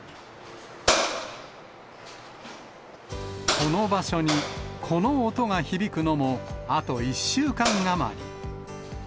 この場所に、この音が響くのも、あと１週間余り。